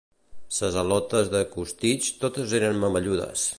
Ses al·lotes de Costitx totes eren mamelludes.